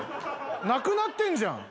なくなってるじゃん。